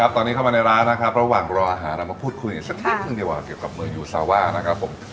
ตอนนี้เข้ามาในร้านนะครับระหว่างรออาหารเรามาพูดคุยกันสักนิดหนึ่งดีกว่าเกี่ยวกับเมืองยูซาว่านะครับผม